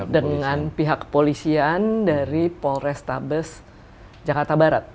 dengan pihak kepolisian dari polrestabes jakarta barat